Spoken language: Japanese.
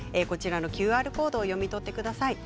ＱＲコードを読み取ってください。